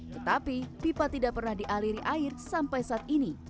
tetapi pipa tidak pernah dialiri air sampai saat ini